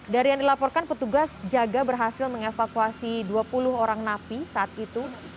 dari yang dilaporkan petugas jaga berhasil mengevakuasi dua puluh orang napi saat itu